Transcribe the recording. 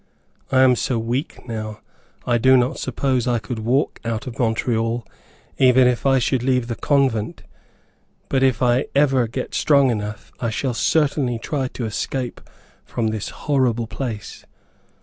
I am so weak now I do not suppose I could walk out of Montreal even if I should leave the convent. But if I ever get strong enough, I shall certainly try to escape from this horrible place.